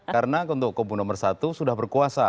karena untuk kubu nomor satu sudah berkuasa